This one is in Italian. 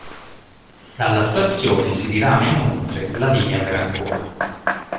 Dalla stazione si dirama inoltre la linea per Ancona.